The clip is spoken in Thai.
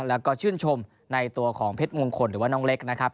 แล้วก็ชื่นชมในตัวของเพชรมงคลหรือว่าน้องเล็กนะครับ